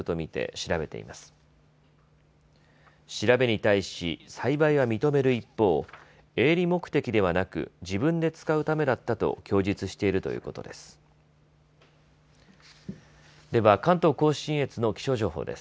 調べに対し栽培は認める一方、営利目的ではなく自分で使うためだったと供述しているということです。